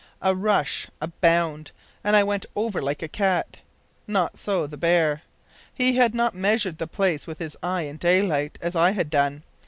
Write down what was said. A rush! a bound! and I went over like a cat. Not so the bear. He had not measured the place with his eye in daylight, as I had done.